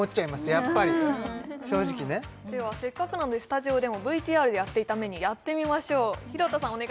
やっぱり正直ねではせっかくなのでスタジオでもＶＴＲでやっていたメニューやってみましょう廣田さん